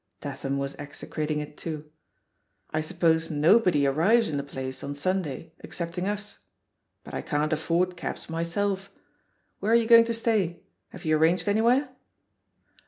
Tatham was execrating it, too. "I suppose nobody arrives in the place on Sunday, excepting us. But I can't afford cabs, myself. Where are you going to stay? have you arranged any where?"